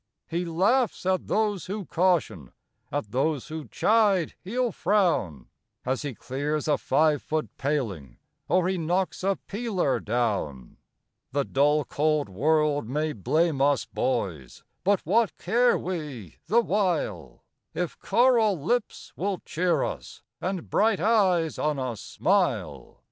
He laughs at those who caution, at those who chide he'll frown, As he clears a five foot paling, or he knocks a peeler down. The dull, cold world may blame us, boys! but what care we the while, If coral lips will cheer us, and bright eyes on us smile?